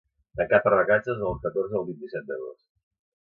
tancat per vacances del catorze al vint-i-set d'agost